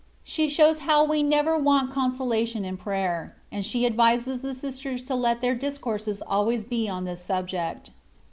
8H0WB HOW WE NEVEB WANT CONSOLATION IN PRATER, AND SHE ADVIBES THE SISTERS TO LET THEIR DISCOURSES ALWAYS BE ON THIS SUBJECT.